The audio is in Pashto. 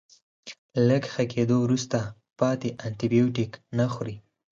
له لږ ښه کیدو وروسته پاتې انټي بیوټیک نه خوري.